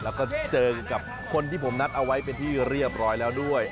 แล้วก็เจอกับคนที่ผมนัดเอาไว้เป็นที่เรียบร้อยแล้วด้วย